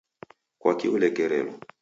Kwaki ulekerelo?